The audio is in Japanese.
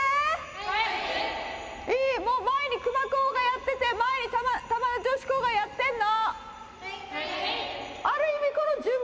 いい、前に熊高がやってて、前に玉名女子高がやってんの。